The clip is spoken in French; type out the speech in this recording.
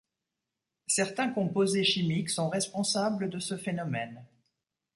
Certains composés chimiques sont responsables de ce phénomène.